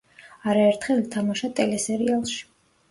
არაერთხელ ითამაშა ტელესერიალში.